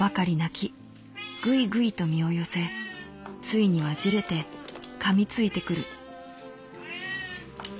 ぐいぐいと身を寄せついには焦れて噛みついて来る」。